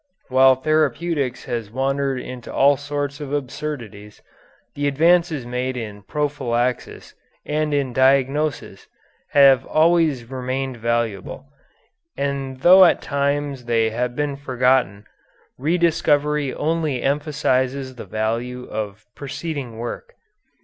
While therapeutics has wandered into all sorts of absurdities, the advances made in prophylaxis and in diagnosis have always remained valuable, and though at times they have been forgotten, re discovery only emphasizes the value of preceding work.